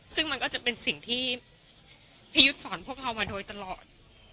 ซึ่งมันก็จะเป็นสิ่งที่พี่ยุทธ์สอนพวกเรามาโดยตลอด